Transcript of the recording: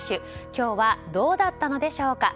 今日はどうだったのでしょうか。